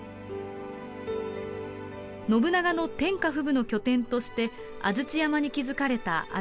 信長の天下布武の拠点として安土山に築かれた安土城。